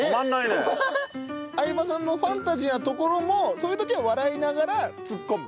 「相葉さんのファンタジーなところもそういう時は笑いながらツッコむ」